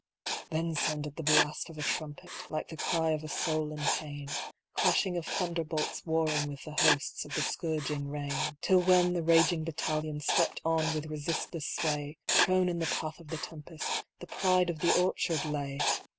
Then sounded the blast of a trumpet, like the cry of a soul in pain. Crashing of thunder bolts warring with the hosts of the scourging rain. Till when the raging battalions swept on with resistless sway. Prone in the path of the tempest the pride of the orchard lay!